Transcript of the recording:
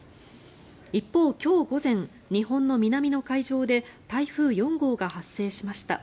一方、今日午前日本の南の海上で台風４号が発生しました。